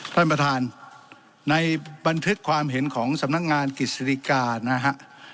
ท่านประธานในบันทึกความเห็นของสำนักงานกฤษฎิกานะฮะ